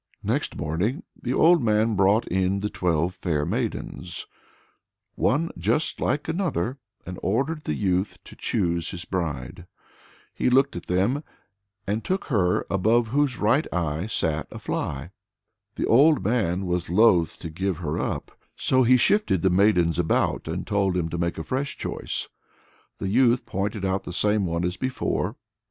Next morning the old man brought in the twelve fair maidens one just like another and ordered the youth to choose his bride. He looked at them and took her above whose right eye sat a fly. The old man was loth to give her up, so he shifted the maidens about, and told him to make a fresh choice. The youth pointed out the same one as before.